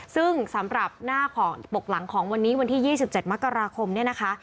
ซึ่งสำหรับหน้าของปกหลังของวันนี้วันที่๒๗มกราคมเนี่ยนะคะ